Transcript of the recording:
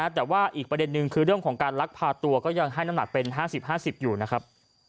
แต่ว่าอีกประเด็นนึงคือเรื่องของการลักพาตัวก็ยังให้น้ำหนักเป็น๕๐๕๐อยู่นะครับ